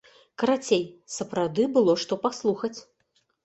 Карацей, сапраўды было што паслухаць.